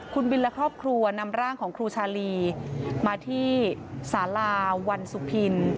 คุณบินและครอบครัวนำร่างของครูชาลีมาที่สาราวันสุพิน